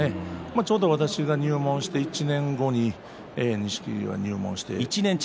ちょうど私が入門して１年後に錦木が入門して。